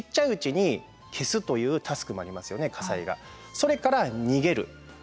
それから逃げる。